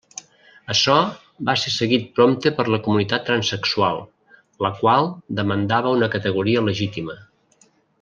Açò va ser seguit prompte per la comunitat transsexual, la qual demandava una categoria legítima.